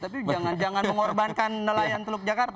tapi jangan jangan mengorbankan nelayan teluk jakarta